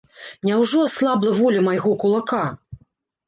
Няўжо аслабла воля майго кулака?